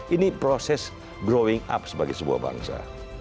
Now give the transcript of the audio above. ini proses growing up sebagai sebuah bangsa